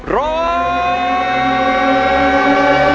ได้